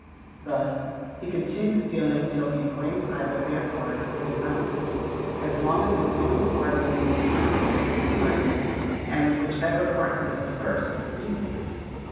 Thus he continues dealing till he brings either their cards, or his own. As long as his own card remains undrawn he wins; and whichever card comes up first, loses.